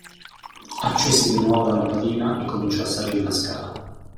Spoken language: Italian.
Accese di nuovo la lampadina e cominciò a salire la scala.